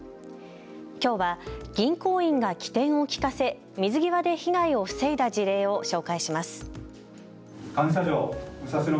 きょうは銀行員が機転を利かせ、水際で被害を防いだ事例を紹介します。